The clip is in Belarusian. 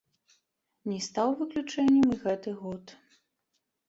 Не стаў выключэннем і гэты год.